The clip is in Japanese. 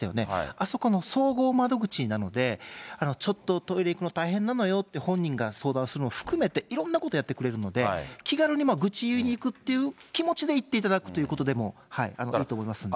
あそこの総合窓口なので、ちょっとトイレ行くの大変なのよって、本人が相談するのを含めて、いろんなことやってくれるので、気軽に愚痴言いに行くっていう気持ちで行っていただくということでもいいと思いますんで。